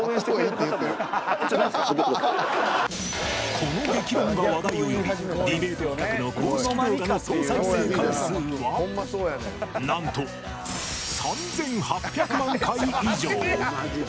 この激論が話題を呼びディベート企画の公式動画の総再生回数は何と、３８００万回以上。